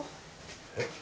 えっ。